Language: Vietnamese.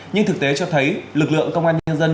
nhưng thực tế cho thấy lực lượng công an nhân dân